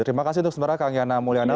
terima kasih untuk sementara kang yana mulyana